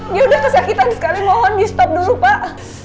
dia udah kesakitan sekali mohon di stop dulu pak